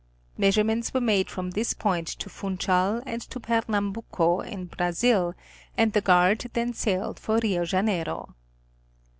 Measurements were made from this point to Funchal and to Per nambuco in Brazil, and the Guard then sailed for Rio Janeiro.